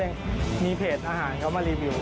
ยังมีเพจอาหารเขามารีวิว